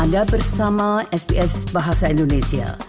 anda bersama sps bahasa indonesia